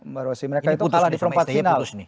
mereka itu kalah di empat final